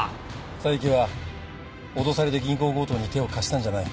佐伯は脅されて銀行強盗に手を貸したんじゃない。